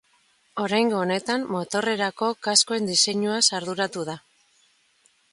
Oraingo honetan, motorrerako kaskoen diseinuaz arduratu da.